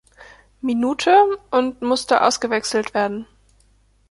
Minute und musste ausgewechselt werden.